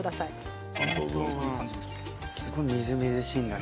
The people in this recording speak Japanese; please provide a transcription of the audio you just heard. すごいみずみずしいな。